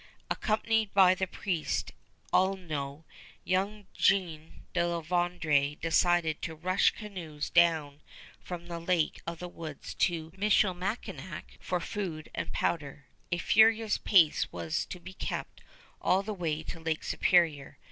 Accompanied by the priest Aulneau, young Jean de La Vérendrye decided to rush canoes down from the Lake of the Woods to Michilimackinac for food and powder. A furious pace was to be kept all the way to Lake Superior.